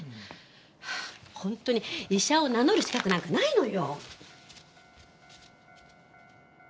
本当に医者を名乗る資格なんかないのよ！